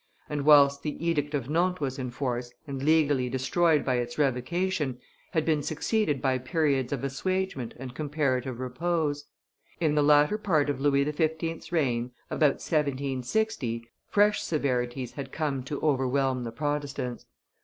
and whilst the Edict of Nantes was in force, and legally destroyed by its revocation, had been succeeded by periods of assuagement and comparative repose; in the latter part of Louis XV.'s reign, about 1760, fresh severities had come to overwhelm the Protestants.